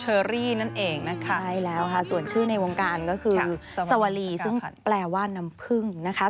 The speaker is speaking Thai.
อรี่นั่นเองนะคะใช่แล้วค่ะส่วนชื่อในวงการก็คือสวรีซึ่งแปลว่าน้ำพึ่งนะคะ